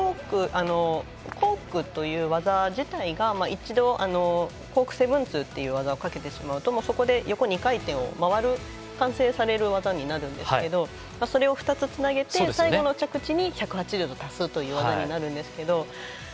コークという技自体が一度、コーク７２０という技をかけてしまうとそこで横２回転を回って完成される技になるんですがそれを２つつなげて最後の着地に１８０度足すという技になるんですけど。